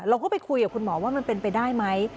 เราก็ไปคุยกับคุณหมอว่ามันเป็นไปได้ไหม